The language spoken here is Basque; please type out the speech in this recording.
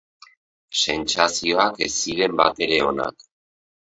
Sentsazioak ez ziren batere onak.